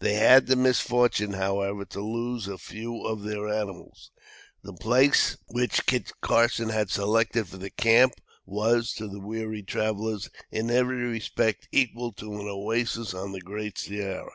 They had the misfortune, however, to lose a few of their animals. The place which Kit Carson had selected for the camp was, to the weary travelers, in every respect equal to an oasis on the Great Sahara.